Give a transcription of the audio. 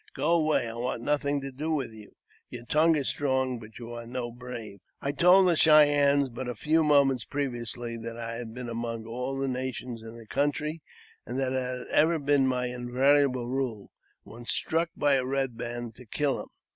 Go away ; I want nothing to do with you. Your tongue is strong, but you are no brave." I had told the Cheyennes but a few moments previously that I had been among all the nations in the country, and that it had ever been my invariable rule, when struck by a Eed Man, to kill him.